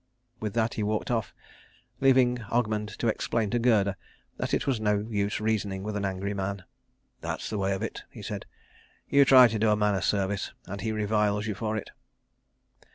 With that he walked off, leaving Ogmund to explain to Gerda that it was no use reasoning with an angry man. "That's the way of it," he said. "You try to do a man a service, and he reviles you for it."